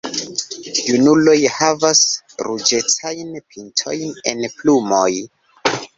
Junuloj havas ruĝecajn pintojn en plumoj.